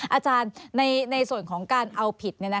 อาจารย์ในส่วนของการเอาผิด